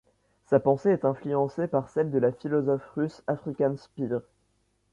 Sa pensée est influencée par celle du philosophe russe African Spir.